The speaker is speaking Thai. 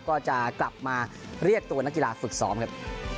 ก็จะกลับมาเรียกตัวนักกีฬาฝึกซ้อมครับ